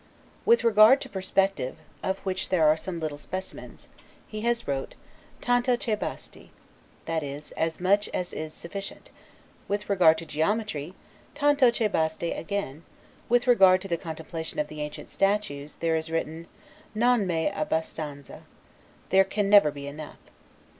With regard to perspective, of which there are some little specimens, he has wrote, 'Tanto che basti', that is, "As much as is sufficient"; with regard to geometry, 'Tanto che basti' again; with regard to the contemplation of the ancient statues, there is written, 'Non mai a bastanza', "There never can be enough."